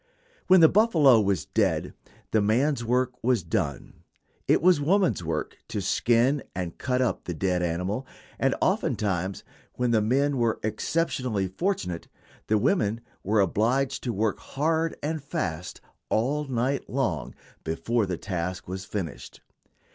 When the buffalo was dead the man's work was done; it was woman's work to skin and cut up the dead animal; and oftentimes, when the men were exceptionally fortunate, the women were obliged to work hard and fast all night long before the task was finished.